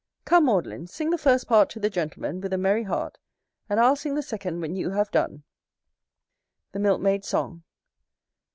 Come, Maudlin, sing the first part to the gentlemen, with a merry heart; and I'll sing the second when you have done. The Milk maid's song.